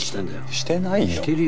してないよ！